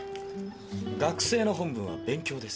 学生の本分は勉強です。